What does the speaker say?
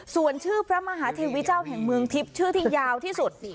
ส่วนชื่อพระมหาเทวีเจ้าแห่งเมืองทิพย์ชื่อที่ยาวที่สุด